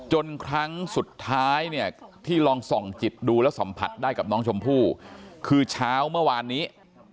ครั้งสุดท้ายเนี่ยที่ลองส่องจิตดูแล้วสัมผัสได้กับน้องชมพู่คือเช้าเมื่อวานนี้